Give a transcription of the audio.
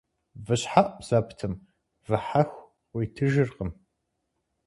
Вы щхьэӀу зэптым вы хьэху къыуитыжыркъым.